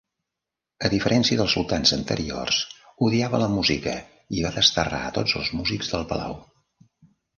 A diferència dels sultans anteriors, odiava la música i va desterrar a tots els músics del palau.